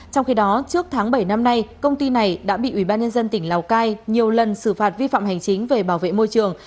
trong khi đó trước tháng bảy năm nay công ty này đã bị ubnd tỉnh lào cai nhiều lần xử phạt vi phạm hành chính về bảo vệ môi trường